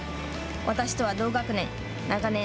私とは同学年。